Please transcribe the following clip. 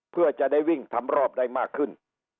เพื่อจะได้วิ่งทำรอบได้มากขึ้น